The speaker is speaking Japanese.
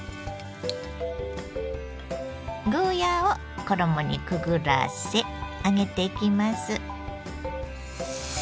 ゴーヤーを衣にくぐらせ揚げていきます。